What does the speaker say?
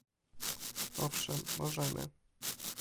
Owszem, możemy!